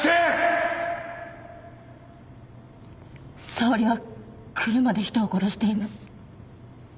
沙織は車で人を殺しています。